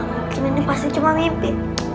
mungkin ini pasti cuma mimpi